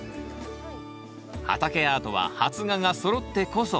畑アートは発芽がそろってこそ。